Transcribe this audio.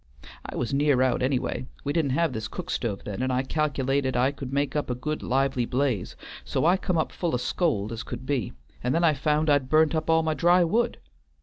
I was near out anyway. We didn't have this cook stove then, and I cal'lated I could make up a good lively blaze, so I come up full o' scold as I could be, and then I found I'd burnt up all my dry wood.